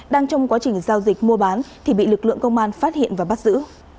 đang trong quá trình giao dịch mua bán thì bị lực lượng công an phát hiện và bắt giữ